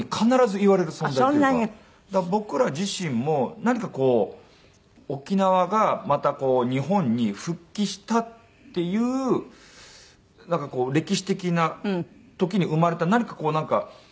だから僕ら自身も何かこう沖縄がまた日本に復帰したっていう歴史的な時に生まれた何かこうなんか。